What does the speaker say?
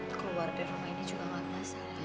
aku akan keluar dari rumah ini juga gak masalah